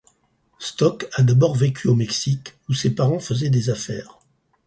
Stock a d'abord vécu au Mexique, où ses parents faisaient des affaires.